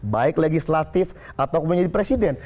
baik legislatif atau menjadi presiden